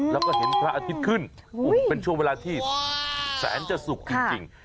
แล้วก็เห็นพระอาทิตย์ขึ้นเป็นช่วงเวลาที่แสนจะสุกจริง